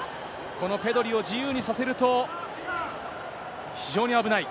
このペドリを自由にさせると非常に危ない。